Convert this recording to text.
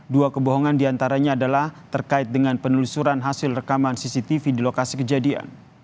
dua kebohongan diantaranya adalah terkait dengan penelusuran hasil rekaman cctv di lokasi kejadian